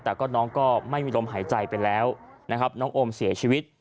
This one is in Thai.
แต่ก็น้องก็ไม่มีลมหายใจไปแล้วนะครับน้องโอมเสียชีวิต